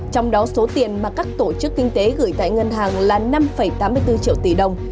trong đó số tiền mà các tổ chức kinh tế gửi tại ngân hàng là năm tám mươi bốn triệu tỷ đồng